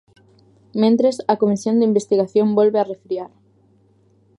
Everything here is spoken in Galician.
Mentres, a comisión de investigación volve "arrefriar".